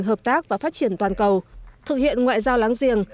hợp tác và phát triển toàn cầu thực hiện ngoại giao láng giềng